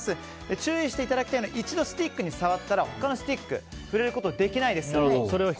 注意していただきたいのは一度、スティックに触ったら他のスティックを触れることはできないです。